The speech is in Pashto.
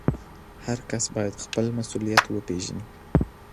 هر کس باید خپل مسؤلیت وپېژني.